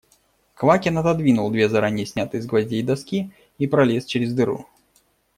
Квакин отодвинул две заранее снятые с гвоздей доски и пролез через дыру.